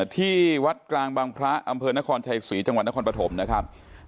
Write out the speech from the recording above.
ที่วัดกลางบางพระอำเภอนครชัยศรีจังหวัดนครปฐมนะครับ